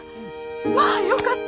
まあよかった！